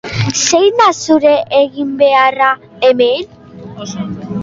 Zein da zure eginbeharra hemen?